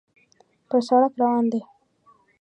پر سړک روان دی.